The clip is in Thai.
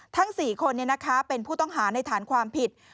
ทั้งสี่คนเนี่ยนะคะเป็นผู้ต้องหาในฐานความผิด